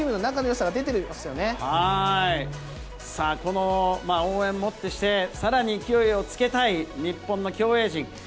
さあ、この応援をもってして、さらに勢いをつけたい日本の競泳陣。